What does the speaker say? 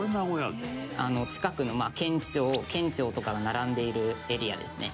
近くの県庁とかが並んでいるエリアですね。